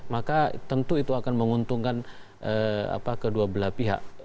maka tentu itu akan menguntungkan kedua belah pihak